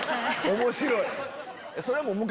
面白い！